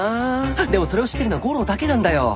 でもそれを知ってるのは悟郎だけなんだよ。